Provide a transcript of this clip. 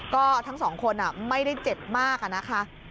ก็ทั้งสองคนไม่ได้เจ็บมากอะนะคะ